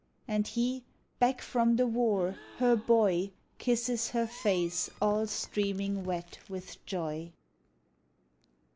and he, back from the war, her boy, Kisses her face all streaming wet with joy.